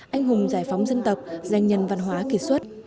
anh hùng giải phóng dân tộc danh nhân văn hóa kiệt xuất